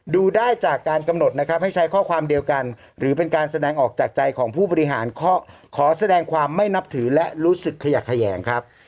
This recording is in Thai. ดูได้จากการกำหนดนะครับให้ใช้ข้อความเดียวกันหรือเป็นการแสดงออกจากใจของผู้บริหารขอแสดงความไม่นับถือและรู้สึกขยะแขยงครับ